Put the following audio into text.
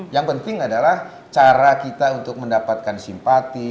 yang penting adalah cara kita untuk mendapatkan simpati